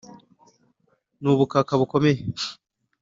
N'ubukaka bukomeye